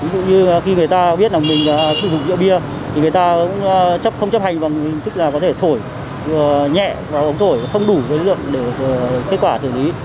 ví dụ như khi người ta biết là mình sử dụng rượu bia thì người ta cũng không chấp hành tức là có thể thổi nhẹ vào ống thổi không đủ lực lượng để kết quả xử lý